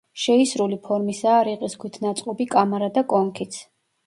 შეისრული ფორმისაა რიყის ქვით ნაწყობი კამარა და კონქიც.